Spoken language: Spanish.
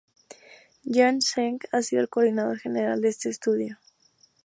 Gang Zheng ha sido el coordinador general de este estudio.